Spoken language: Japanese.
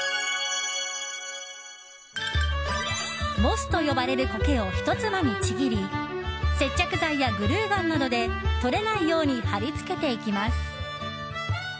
モスと呼ばれるコケをひとつまみちぎり接着剤やグルーガンなどで取れないように貼り付けていきます。